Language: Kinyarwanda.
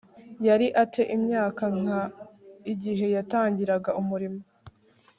yari a te imyaka nka igihe yatangiraga umurimo